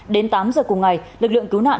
đến tám giờ cùng ngày lực lượng cứu nạn